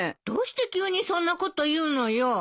どうして急にそんなこと言うのよ。